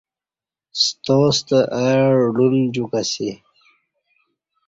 ستا ستہ اہ ڈون جُوک اسی۔